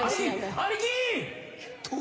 兄貴！